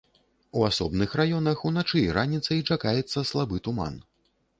У асобных раёнах уначы і раніцай чакаецца слабы туман.